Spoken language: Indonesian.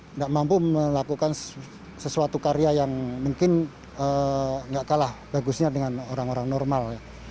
tidak mampu melakukan sesuatu karya yang mungkin nggak kalah bagusnya dengan orang orang normal